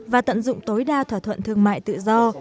và tận dụng tối đa thỏa thuận thương mại tự do